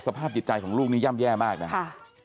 สภาพจิตใจของลูกนี้ย่ำแย่มากนะครับ